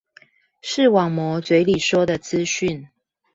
視網膜嘴裡說的資訊